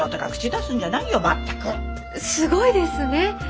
すごいですね。